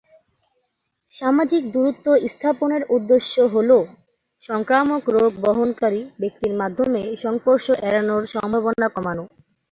সামাজিক দূরত্ব স্থাপনের উদ্দেশ্য হল সংক্রামক রোগ বহনকারী ব্যক্তির মাধ্যমে সংস্পর্শ এড়ানোর সম্ভাবনা কমানো।